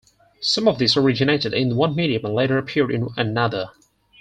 Some of these originated in one medium and later appeared in another.